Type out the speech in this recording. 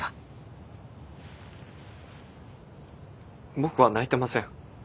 僕は泣いてません。